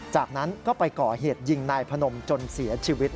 จากนั้นก็ไปก่อเหตุยิงนายพนมจนเสียชีวิต